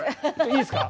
いいですか？